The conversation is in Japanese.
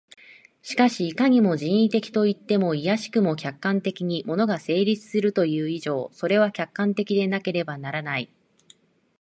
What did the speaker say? しかしいかに人為的といっても、いやしくも客観的に物が成立するという以上、それは客観的でなければならない。